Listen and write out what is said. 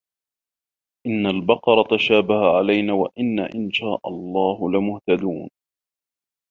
إِنَّ الْبَقَرَ تَشَابَهَ عَلَيْنَا وَإِنَّا إِنْ شَاءَ اللَّهُ لَمُهْتَدُونَ